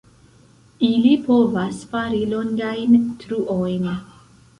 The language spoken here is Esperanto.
Ili povas fari longajn truojn.